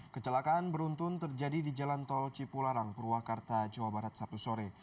kecelakaan beruntun terjadi di jalan tol cipularang purwakarta jawa barat sabtu sore